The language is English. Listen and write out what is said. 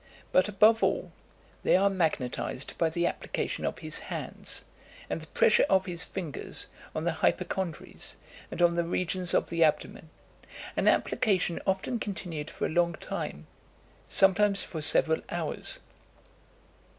But above all, they are magnetised by the application of his hands and the pressure of his fingers on the hypochondres and on the regions of the abdomen; an application often continued for a long time sometimes for several hours.